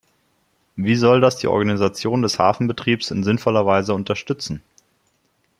Wie soll das die Organisation des Hafenbetriebs in sinnvoller Weise unterstützen?